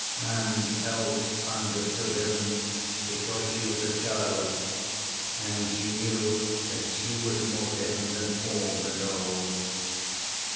And Else understood him, because she was a child, and she knew that she was more to him than all the dolls.